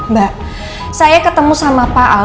mbak saya ketemu sama pak al